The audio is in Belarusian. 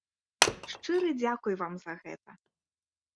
Шчыры дзякуй вам за гэта!